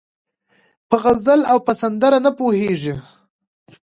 په غزل او په سندره نه پوهېږي